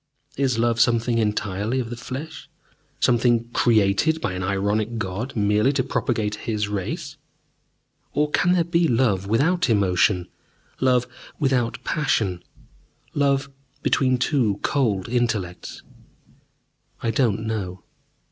Is love something entirely of the flesh, something created by an ironic God merely to propagate His race? Or can there be love without emotion, love without passion love between two cold intellects? I do not know.